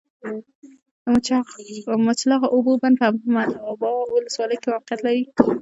د مچلغو اوبو بند په احمد ابا ولسوالۍ کي موقعیت لری